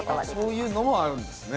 そういうのもあるんですね。